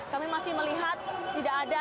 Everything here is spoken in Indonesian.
kami masih melihat tidak ada